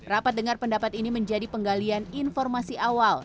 rapat dengar pendapat ini menjadi penggalian informasi awal